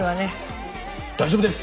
大丈夫です！